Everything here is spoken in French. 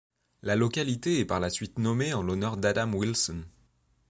La localité est par la suite nommée en l'honneur d'Adam Wilson.